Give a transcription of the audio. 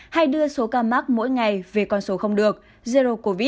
hay đưa số ca mắc mỗi ngày về con số không được zero covid